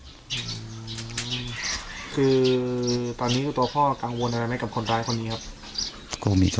มีอะไรที่กังวลใจมากว่าเพราะว่าเขาก็เป็นคนใหญ่นะครับ